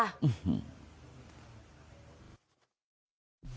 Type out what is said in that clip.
อื้อฮือ